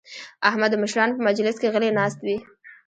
احمد د مشرانو په مجلس کې غلی ناست وي.